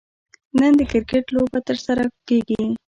نن د کرکټ لوبه ترسره کیږي